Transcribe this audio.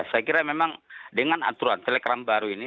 saya kira memang dengan aturan telegram baru ini